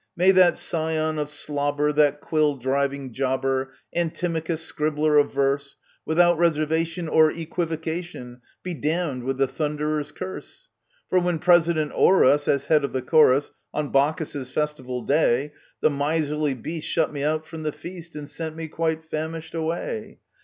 May that scion of slobber, that quill driving jobber, Antimachus, scribbler of verse,* Without reservation or equivocation Be — damned with the Thunderer's curse ! For, when president o'er us, as head of the Chor On Bacchus's festival day, The miserly beast shut me out from the feast, And sent me quite famished away